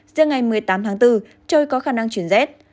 giữa ngày một mươi tám tháng bốn trời có khả năng chuyển rét